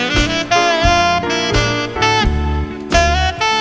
นางเย็นที่ที่ต่างกัน